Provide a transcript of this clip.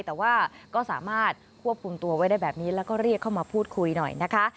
แต่ว่าก็สามารถควบคุมตัวไว้ได้แบบนี้แล้วก็เรียกเข้ามาพูดคุยหน่อยนะคะ